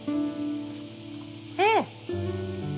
ええ。